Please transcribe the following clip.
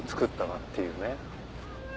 っていうね。